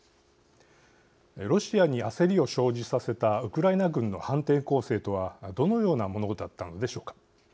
ロシアに焦りを生じさせたウクライナ軍の反転攻勢とはどのようなものだったのでしょうか。